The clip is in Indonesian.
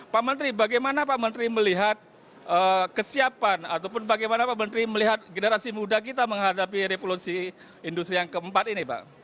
pak menteri bagaimana pak menteri melihat kesiapan ataupun bagaimana pak menteri melihat generasi muda kita menghadapi revolusi industri yang keempat ini pak